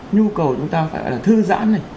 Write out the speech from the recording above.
nhu cầu chúng ta gọi là thư giãn này